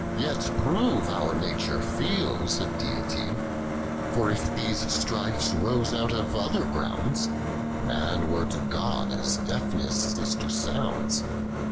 Yet prove our nature feels a Deity ; For if these strifes rose out of other groundsi Man were to God, as deafness is to sounds.